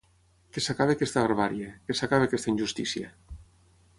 Que s’acabi aquesta barbàrie, que s’acabi aquesta injustícia.